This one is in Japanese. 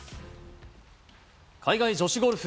海外女子ゴルフ。